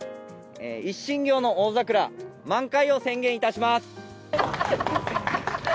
一心行の大桜、満開を宣言いたします。